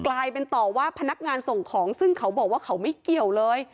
กลายเป็นต่อว่าพนักงานส่งของซึ่งเขาบอกว่าเขาไม่เกี่ยวเลย